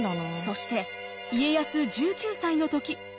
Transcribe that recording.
そして家康１９歳の時。